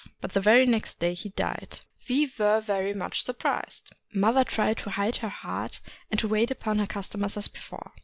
But the very next day he died. We were very much surprised. Mother tried to hide her heart, and to wait upon her customers as before.